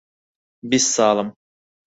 بیست ساڵم.